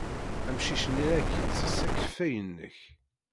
Amcic-nni la ak-yettess akeffay-nnek.